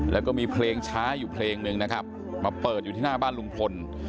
แล้วก็มีเพลงช้าอยู่เพลงหนึ่งนะครับมาเปิดอยู่ที่หน้าบ้านลุงพล